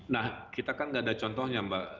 nah kita kan nggak ada contohnya mbak